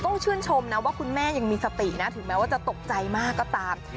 ต้องชื่นชมนะว่าคุณแม่ยังมีสตินะถึงแม้ว่าจะตกใจมากก็ตาม